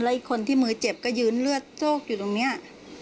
อีกคนที่มือเจ็บก็ยืนเลือดโชคอยู่ตรงนี้